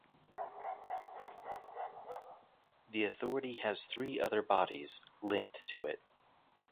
The authority has three other bodies linked to it.